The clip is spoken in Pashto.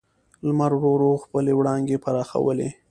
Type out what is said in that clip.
لمر ورو ورو خپلې وړانګې پراخولې.